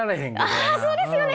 ああそうですよね！